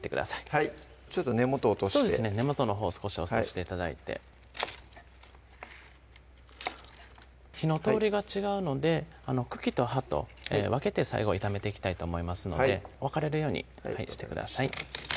はいちょっと根元を落として根元のほうを少し落として頂いて火の通りが違うので茎と葉と分けて最後は炒めていきたいと思いますので分かれるようにしてください